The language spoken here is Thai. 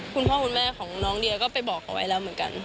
คุณพ่อคุณแม่ของน้องเดียก็ไปบอกเขาไว้แล้วเหมือนกัน